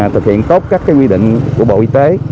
thực hiện tốt các quy định của bộ y tế